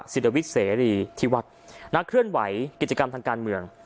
ศิลวิทย์เสรีที่วัดนักเคลื่อนไหวกิจกรรมทางการเมือง